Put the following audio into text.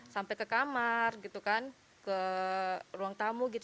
sampai ke kamar gitu kan ke ruang tamu gitu